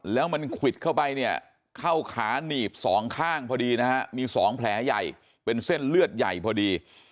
แล้วมันควิดเข้าไปเนี่ยเข้าขาหนีบสองข้างพอดีนะฮะมี๒แผลใหญ่เป็นเส้นเลือดใหญ่พอดี